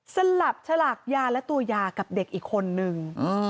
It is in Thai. สลับฉลากยาและตัวยากับเด็กอีกคนนึง